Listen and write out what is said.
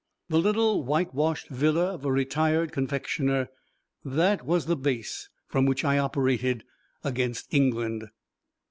The little whitewashed villa of a retired confectioner that was the base from which I operated against England.